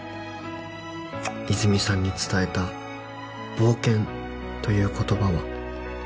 「泉さんに伝えた冒険という言葉は」